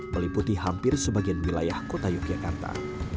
meliputi hampir sebagian wilayah kota yogyakarta